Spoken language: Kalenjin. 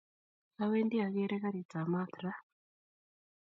Awendi akere karit ab maaat raa